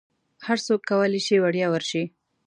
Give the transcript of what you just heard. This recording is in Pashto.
هرڅوک کولی شي وړیا ورشي.